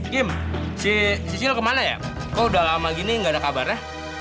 kim si cicil kemana ya kok udah lama gini gak ada kabarnya